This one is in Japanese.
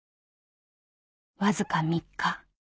［わずか３日］